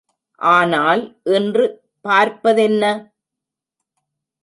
ஆனால் இன்று பார்ப்பதென்ன?